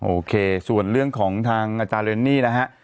โอเคส่วนเรื่องของทางอาจารย์เรนนี่นะฮะ